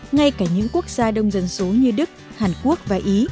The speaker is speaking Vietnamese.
ngay cả những quốc gia đông dân số như đức hàn quốc và ý